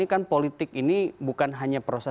ini kan politik ini bukan hanya proses